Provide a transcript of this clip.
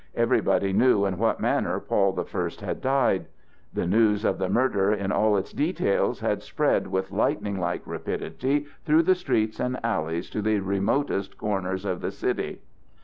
Everybody knew in what manner Paul the First had died. The news of the murder in all its details had spread with lightning like rapidity through the streets and alleys to the remotest corners of the city.